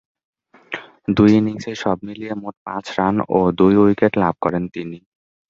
দুই ইনিংসে সবমিলিয়ে পাঁচ রান ও দুই উইকেট লাভ করেন তিনি।